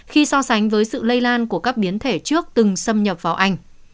khi so sánh với sự lây lan của các biến thể trước từng xâm nhập vào anh